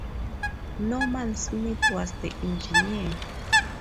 Norman Smith was the engineer.